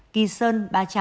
kỳ sơn ba trăm tám mươi bảy